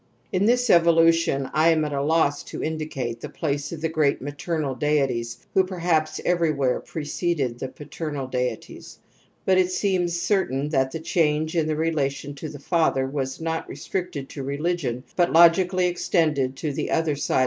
In this evolution' I am at a Ips^o indicate pjacejj l^the great maternal deities w ho perhaps everywhere preceded the paternal deities. But it seem s certain that the change in the relation to the fatHer was not restricted to religion but logically extended to the other side.